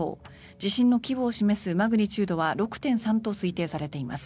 地震の規模を示すマグニチュードは６．３と推定されています。